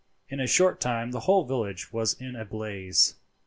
In a short time the whole village was in a blaze.